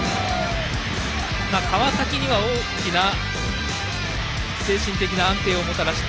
川崎には大きな精神的な安定をもたらした。